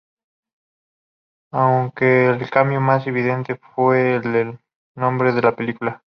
Aunque el cambio más evidente fue el del nombre de la película.